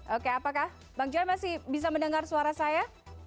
oke apakah bang joy masih bisa mendengar suara saya